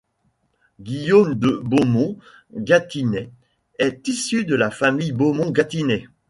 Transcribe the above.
Guillaume de Beaumont-Gâtinais est issu de la Famille Beaumont-Gâtinais.